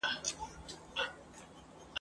زه به سبا د تفسیر ټولګي ته ولاړ سم.